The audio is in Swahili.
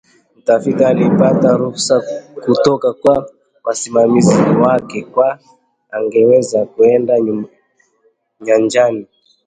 mtafiti alipata ruhusa kutoka kwa wasimamizi wake kwamba angeweza kuenda nyanjani